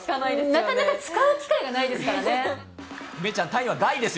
なかなか使う機会がないです